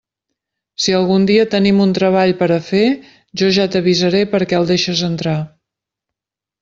Si algun dia tenim un treball per a fer, jo ja t'avisaré perquè el deixes entrar.